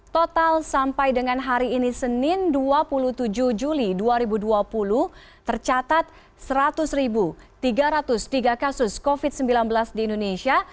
total sampai dengan hari ini senin dua puluh tujuh juli dua ribu dua puluh tercatat seratus tiga ratus tiga kasus covid sembilan belas di indonesia